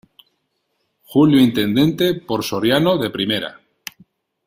Julio Intendente por Soriano de Primera!